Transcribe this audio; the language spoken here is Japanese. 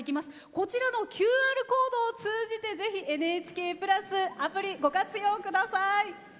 こちらのＱＲコードを通じてぜひ「ＮＨＫプラス」アプリご活用ください。